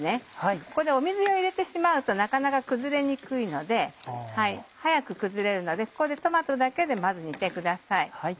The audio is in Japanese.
ここで水を入れてしまうとなかなか崩れにくいので早く崩れるのでここでトマトだけでまず煮てください。